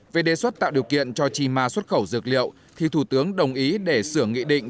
về đề xuất tạo điều kiện cho chima xuất khẩu dược liệu thì thủ tướng đồng ý để sửa nghị định